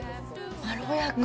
まろやか。